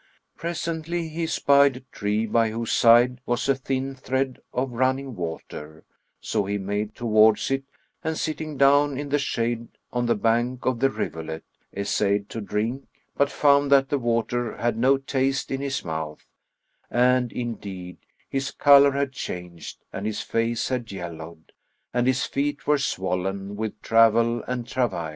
Presently, he espied a tree, by whose side was a thin thread of running water; so he made towards it and sitting down in the shade, on the bank of the rivulet, essayed to drink, but found that the water had no taste in his mouth;[FN#43] and, indeed his colour had changed and his face had yellowed, and his feet were swollen with travel and travail.